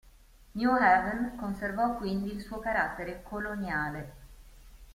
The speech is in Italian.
New Haven conservò quindi il suo carattere coloniale.